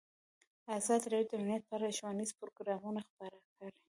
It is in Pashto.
ازادي راډیو د امنیت په اړه ښوونیز پروګرامونه خپاره کړي.